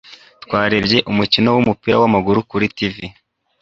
Twarebye umukino wumupira wamaguru kuri TV